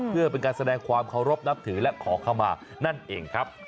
เพื่อเป็นการแสดงความเคารพนับถือและขอเข้ามานั่นเองครับ